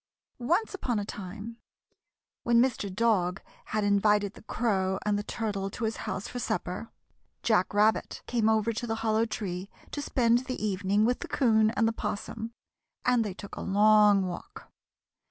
Once upon a time, when Mr. Dog had invited the Crow and the Turtle to his house for supper, Jack Rabbit came over to the Hollow Tree to spend the evening with the 'Coon and the 'Possum, and they took a long walk.